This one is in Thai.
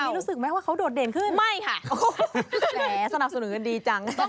นี่รู้สึกไหมว่าเขาโดดเด่นขึ้นไม่ค่ะแหมสนับสนุนกันดีจัง